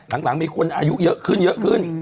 หลังมีคนอายุขึ้น